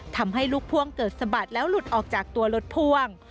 ทำให้ลูกพ่วงเกิดสะบัดแล้วหลุดออกจากตัวรถพ่วง